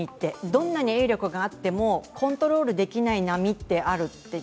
どんなに泳力があってもコントロールできない波があると。